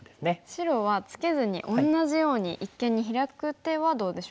白はツケずに同じように一間にヒラく手はどうでしょうか？